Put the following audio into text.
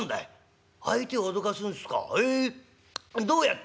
どうやって？」。